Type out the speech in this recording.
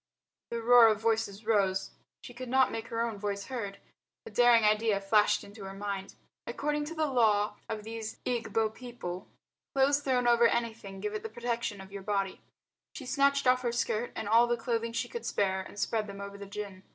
The roar of voices rose. She could not make her own voice heard. A daring idea flashed into her mind. According to the law of these Egbo people, clothes thrown over anything give it the protection of your body. She snatched off her skirt and all the clothing she could spare and spread them over the gin.